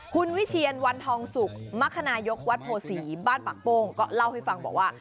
คุณวิเชียนวันทองสุกมรคนายกวัดโพศีบ้านปากโป้งก็เล่าให้ฟังบอกว่า